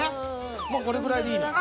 もうこれぐらいでいいです。